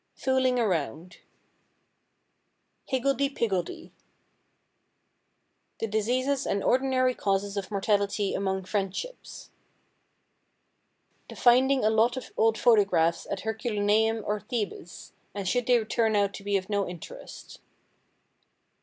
Fooling Around. Higgledy Piggledy. The Diseases and Ordinary Causes of Mortality among Friendships. The finding a lot of old photographs at Herculaneum or Thebes; and they should turn out to be of no interest.